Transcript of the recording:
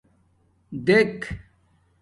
دیک